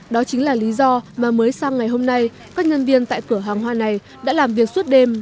đó chính là lý do mà mới sang ngày hôm nay các nhân viên tại cửa hàng hoa này đã làm việc suốt đêm